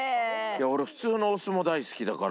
俺普通のお酢も大好きだから。